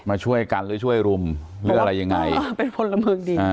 มาช่วยกันหรือช่วยรุมหรืออะไรยังไงเออเป็นพลเมืองดีอ่า